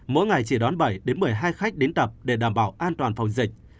mỗi ngày chỉ đón bảy một mươi hai khách đến tập để đảm bảo an toàn phòng dịch